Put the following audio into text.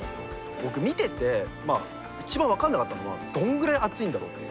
僕見てて一番分かんなかったのはどんぐらい熱いんだろうっていう。